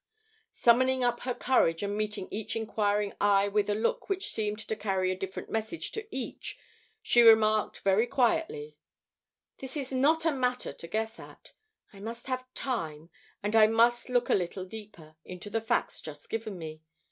Summoning up her courage and meeting each inquiring eye with a look which seemed to carry a different message to each, she remarked very quietly: "This is not a matter to guess at. I must have time and I must look a little deeper into the facts just given me.